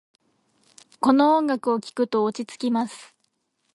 この音楽を聴くと落ち着きます。